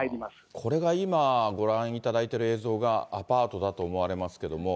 これが今、ご覧いただいている映像が、アパートだと思われますけど。